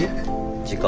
時間。